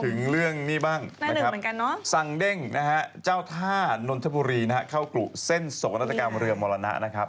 อู่แน่ฉันเป็นมันต่ำจริง